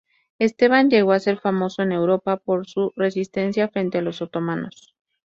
Esteban llegó a ser famoso en Europa por su resistencia frente a los otomanos.